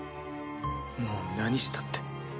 もう何したって。